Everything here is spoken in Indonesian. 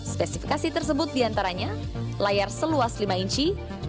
spesifikasi tersebut diantaranya layar seluas lima inci